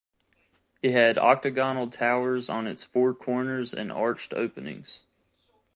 It had octagonal towers on its four corners and arched openings.